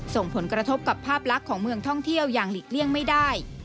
ส่งผลกระทบกับภาพลักษณ์ของเมืองท่องเที่ยวอย่างหลีกเลี่ยงไม่ได้